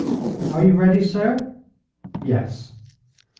"Are you ready, sir?" "Yes."